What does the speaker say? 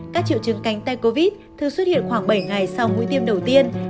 các triệu chứng cánh tay covid thường xuất hiện khoảng bảy ngày sau mũi tiêm đầu tiên